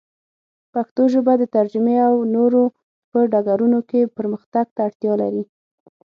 پښتو ژبه د ترجمې او نورو په ډګرونو کې پرمختګ ته اړتیا لري.